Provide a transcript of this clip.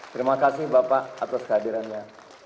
terima kasih bapak atas kehadirannya